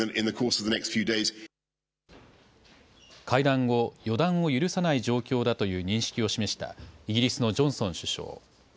会談後、予断を許さない状況だという認識を示したイギリスのジョンソン首相。